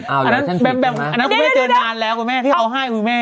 อันนั้นคุณแม่เจอนานแล้วคุณแม่ที่เขาให้คุณแม่